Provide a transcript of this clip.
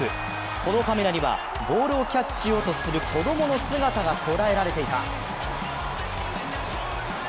このカメラにはボールをキャッチしようとする子供の姿が捉えられていた。